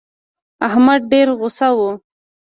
احمد ډېر غوسه و.